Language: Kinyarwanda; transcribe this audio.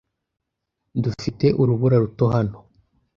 Dufite urubura ruto hano.